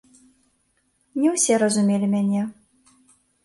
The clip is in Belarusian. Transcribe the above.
Не ўсе разумелі мяне.